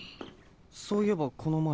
そういえばこのまえも。